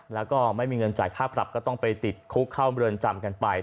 แล้วก็ไม่มีเงินจ่ายค่าปรับก็ต้องไปติดคุกเข้าเมืองจำกันไป